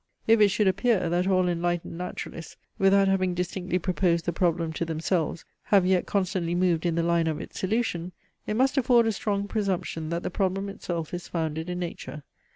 If it should appear, that all enlightened naturalists, without having distinctly proposed the problem to themselves, have yet constantly moved in the line of its solution, it must afford a strong presumption that the problem itself is founded in nature.